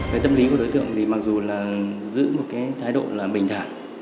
về tâm lý của đối tượng thì mặc dù là giữ một cái thái độ là bình thả